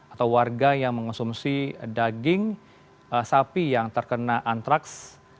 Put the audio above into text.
atau warga yang mengonsumsi daging sapi yang terkena antraks